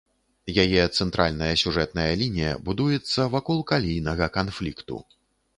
Яе цэнтральная сюжэтная лінія будуецца вакол калійнага канфлікту.